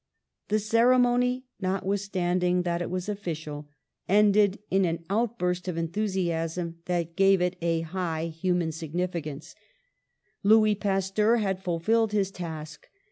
The ceremony, notwithstanding that it was ofl&cial, ended in an outburst of enthusiasm that gave it a high human significance. 204 PASTEUR Louis Pasteur had fulfilled his task.